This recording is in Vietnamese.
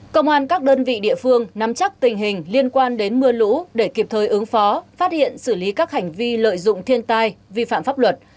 công an các đơn vị địa phương nắm chắc tình hình liên quan đến mưa lũ để kịp thời ứng phó phát hiện xử lý các hành vi lợi dụng thiên tai vi phạm pháp luật